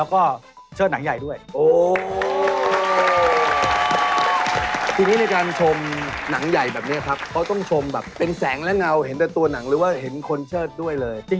วันนี้เป็นชุดใหญ่เลยมั้ยครับครับผมเอาละและแน่นอนครับหมายเลข๓ของเราคือตัวจริง